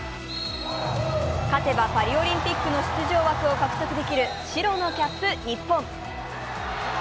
勝てばパリオリンピックの出場枠を獲得できる白のキャップ日本。